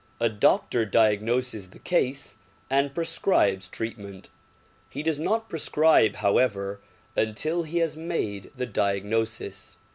A doctor diagnoses the case and prescribes treatment. He does not prescribe however until he has made the diagnosis.